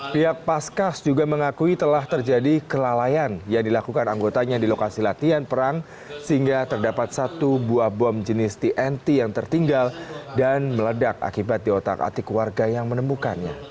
pihak paskas juga mengakui telah terjadi kelalaian yang dilakukan anggotanya di lokasi latihan perang sehingga terdapat satu buah bom jenis tnt yang tertinggal dan meledak akibat di otak atik warga yang menemukannya